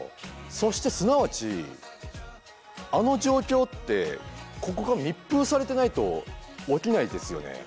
そしてすなわちあの状況ってここが密封されてないと起きないですよね。